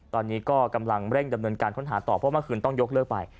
ตอนนี้ก็กำลังเร่งดำเนินการค้นหาต่อเพราะเมื่อคืนต้องยกเลิกไป